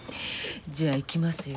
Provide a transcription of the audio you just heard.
じゃあいきますよ。